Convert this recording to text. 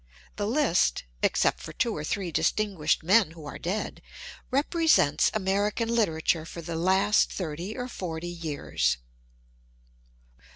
The list (except for two or three distinguished men who are dead) represents American literature for the last thirty or forty years.